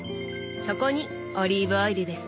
そこにオリーブオイルですね。